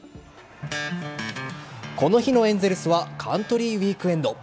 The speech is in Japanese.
この日のエンゼルスはカントリーウイークエンド。